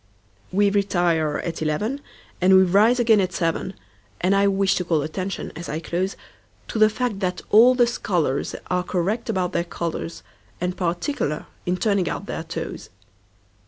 We retire at eleven, And we rise again at seven; And I wish to call attention, as I close, To the fact that all the scholarsAre correct about their collars, And particular in turning out their toes.